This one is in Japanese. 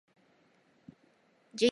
じゅい